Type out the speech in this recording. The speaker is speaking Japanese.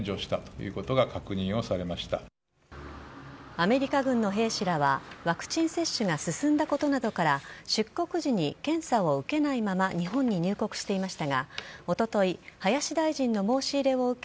アメリカ軍の兵士らはワクチン接種が進んだことなどから出国時に検査を受けないまま日本に入国していましたがおととい林大臣の申し入れを受け